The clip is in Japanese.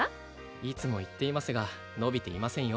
いつも言っていますが伸びていませんよ